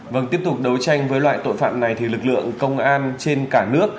vâng tiếp tục đấu tranh với loại tội phạm này thì lực lượng công an trên cả nước